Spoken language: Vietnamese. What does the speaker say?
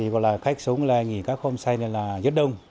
chúng là nghỉ các homestay này là nhất đông